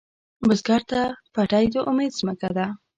بزګر ته پټی د امید ځمکه ده